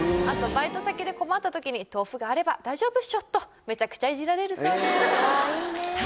あとバイト先で困ったときに「豆腐があれば大丈夫っしょ！」とめちゃくちゃイジられるそうです